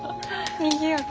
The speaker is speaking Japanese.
にぎやか。